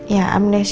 ya amnesia itu